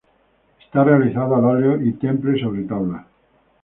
Está realizado al óleo y temple sobre tabla.